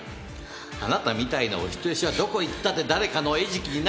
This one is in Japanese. あなたみたいなお人よしはどこへ行ったって誰かの餌食になるだけ。